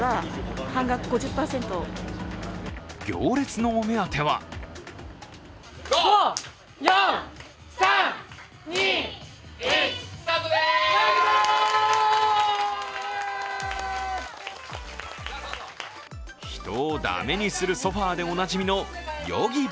行列のお目当ては人を駄目にするソファでおなじみのＹｏｇｉｂｏ。